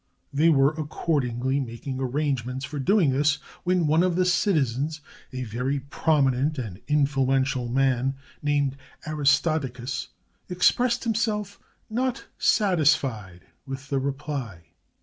They were accordingly making arrangements for doing this, when one of the citizens, a very prominent and influential man, named Aristodicus, expressed him self not satisfied with the reply.